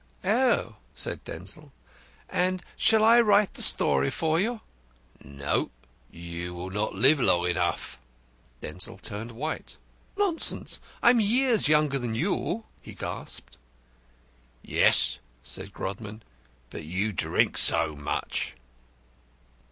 "Oh!" said Denzil, "and shall I write the story for you?" "No. You will not live long enough." Denzil turned white. "Nonsense! I am years younger than you," he gasped. "Yes," said Grodman, "but you drink so much."